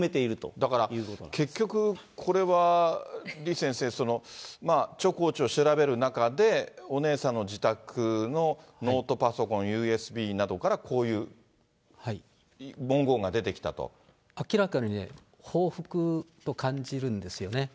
だから、結局、これは李先生、チョコーチを調べる中で、お姉さんの自宅のノートパソコン、ＵＳＢなどから、明らかにね、報復と感じるんですよね。